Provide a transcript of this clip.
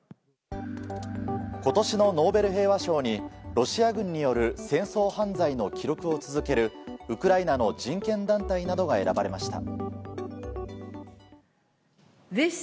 今年のノーベル平和賞にロシア軍による戦争犯罪の記録を続けるウクライナの人権団体などが選ばれました。